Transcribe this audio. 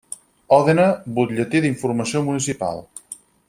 Òdena, Butlletí d'Informació Municipal.